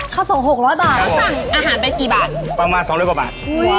เขาส่ง๖๐๐บาท